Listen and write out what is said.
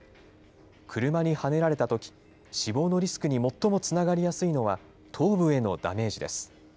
車にはねられたとき、死亡のリスクに最もつながりやすいのは、頭部へのダメージです。